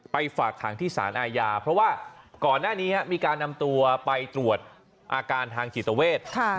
ฝากขังที่สารอาญาเพราะว่าก่อนหน้านี้มีการนำตัวไปตรวจอาการทางจิตเวท